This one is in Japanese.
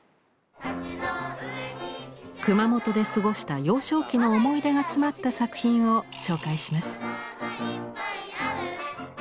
熊本で過ごした幼少期の思い出が詰まった作品を紹介します。